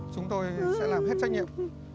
chúng tôi sẽ làm hết trách nhiệm